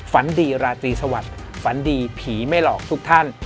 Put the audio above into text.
ฝันดีราตรีสวัสดิ์ฝันดีผีไม่หลอกทุกท่าน